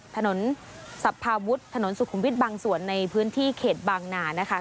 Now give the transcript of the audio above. ถนนสรรพาวุฒิถนนสุขุมวิทย์บางส่วนในพื้นที่เขตบางนานะคะ